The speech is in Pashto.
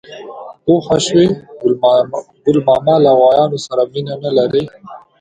_پوه شوې؟ ګل ماما له غوايانو سره مينه نه لري.